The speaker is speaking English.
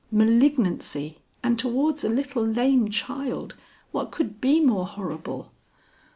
Malignancy! and towards a little lame child! what could be more horrible!"